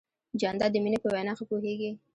جانداد د مینې په وینا ښه پوهېږي.